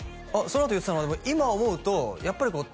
そのあと言ってたのは「今思うとやっぱりこう」